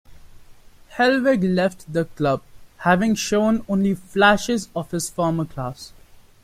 Helveg left the club, having shown only flashes of his former class.